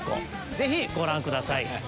ぜひご覧ください。